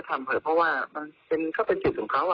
ก็ทำอะไรก็ทำเพราะว่ามันก็เป็นจิตของเขา